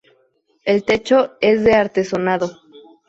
El techo es de artesonado.